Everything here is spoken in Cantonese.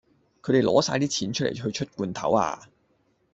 佢哋攞曬啲錢去出罐頭呀